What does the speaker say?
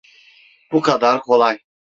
Bu kadar kolay.